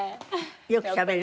よくしゃべる？